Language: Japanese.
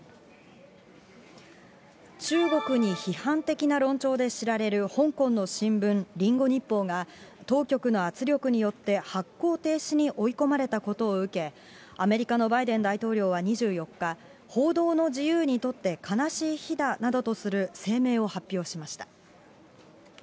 中国に批判的な論調で知られる香港の新聞、リンゴ日報が、当局の圧力によって発行停止に追い込まれたことを受け、アメリカのバイデン大統領は２４日、報道の自由にとって悲しい日だなどとする声明を発表しました。